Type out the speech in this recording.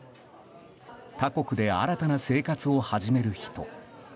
他国で新たな生活を始める人。